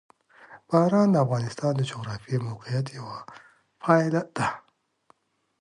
باران د افغانستان د جغرافیایي موقیعت یوه پایله ده.